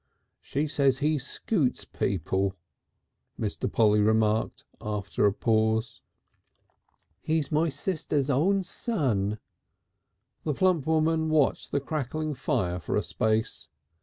"She says he scoots people," Mr. Polly remarked after a pause. "He's my own sister's son." The plump woman watched the crackling fire for a space.